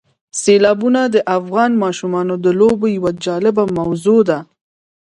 سیلابونه د افغان ماشومانو د لوبو یوه جالبه موضوع ده.